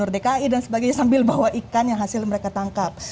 dki dan sebagainya sambil bawa ikan yang hasil mereka tangkap